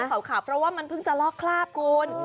ขาวเพราะว่ามันเพิ่งจะลอกคราบคุณ